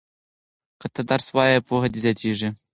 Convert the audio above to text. که ته درس ووایې پوهه دې زیاتیږي.